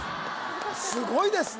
すごいですね